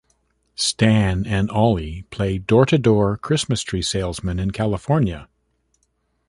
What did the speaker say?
Stan and Ollie play door-to-door Christmas tree salesmen in California.